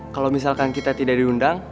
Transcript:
kalau misalkan kita tidak diundang